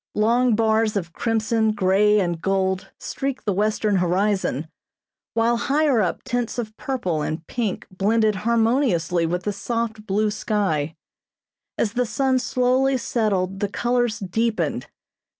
Long bars of crimson, grey and gold streaked the western horizon, while higher up tints of purple and pink blended harmoniously with the soft blue sky. As the sun slowly settled the colors deepened.